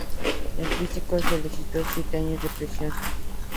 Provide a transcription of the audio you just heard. El fiscal solicitó siete años de prisión.